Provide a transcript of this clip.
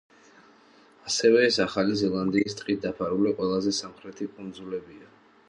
ასევე ეს ახალი ზელანდიის ტყით დაფარული ყველაზე სამხრეთი კუნძულებია.